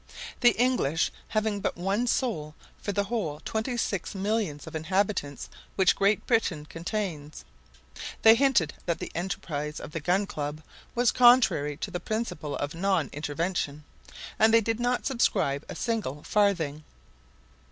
The English have but one soul for the whole twenty six millions of inhabitants which Great Britain contains. They hinted that the enterprise of the Gun Club was contrary to the "principle of non intervention." And they did not subscribe a single farthing.